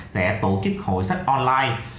sẽ tổ chức hội sách online